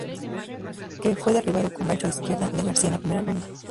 Que fue derribado con gancho de izquierda de García en la primera ronda.